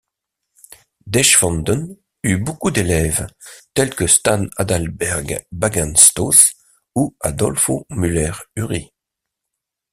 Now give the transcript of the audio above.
Deschwanden eut beaucoup d'élèves, tels que Stans Adalbert Baggenstos ou Adolfo Müller-Ury.